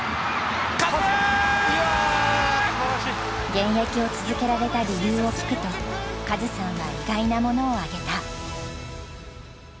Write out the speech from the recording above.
現役を続けられた理由を聞くとカズさんは意外なものを挙げた。